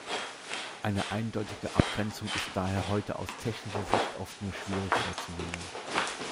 Eine eindeutige Abgrenzung ist daher heute aus technischer Sicht oft nur schwierig vorzunehmen.